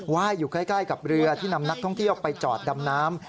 ว่ายอยู่ใกล้กับเรือที่นำนักท่องเที่ยวไปจอดดำน้ำ